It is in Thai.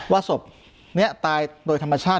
ศพนี้ตายโดยธรรมชาติ